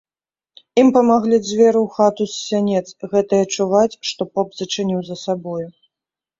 Ім памаглі дзверы ў хату з сянец, гэтыя чуваць, што поп зачыніў за сабою.